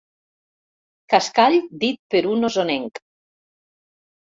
Cascall dit per un osonenc.